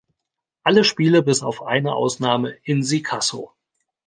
Alle Spiele bis auf eine Ausnahme in Sikasso.